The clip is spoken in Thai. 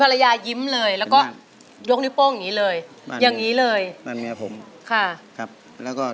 อะไรที่มันจะบังเอิญบุคเพศสันนิวาสได้กันขนาดนี้